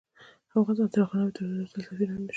افغانستان تر هغو نه ابادیږي، ترڅو د سولې سفیران نشو.